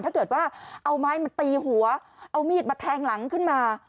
ถ้าเกิดว่าเอาไม้มาตีหัวเอามีดมาแทงหลังขึ้นมา